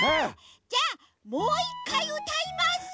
じゃあもう１かいうたいます。